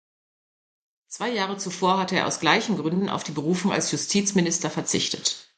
Zwei Jahre zuvor hatte er aus gleichen Gründen auf die Berufung als Justizminister verzichtet.